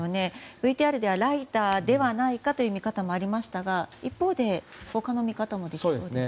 ＶＴＲではライターではないかという見方もありましたが一方で他の見方もできそうですね。